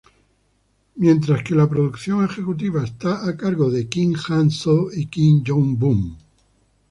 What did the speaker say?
Mientras que la producción ejecutiva está a cargo de Kim Han-soo y Kim Young-bum.